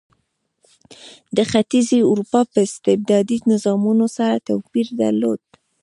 د ختیځې اروپا له استبدادي نظامونو سره توپیر درلود.